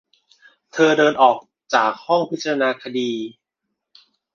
เธอเดินออกจากห้องพิจารณาคดี